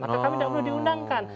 atau kami tidak perlu diundangkan